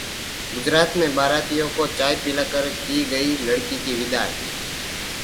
गुजरात में बारातियों को चाय पिलाकर की गई लड़की की विदाई